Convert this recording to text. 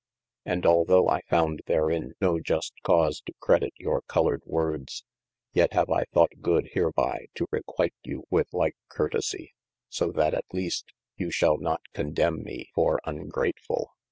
And although I founde therin no just cause to credite your coloured wordes, yet have I thought good hereby too requite you with like curtesie, so that at least you^; shall not condemne mee for ungratefull.